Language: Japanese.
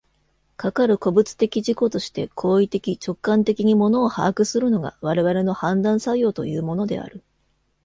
かかる個物的自己として行為的直観的に物を把握するのが、我々の判断作用というものである。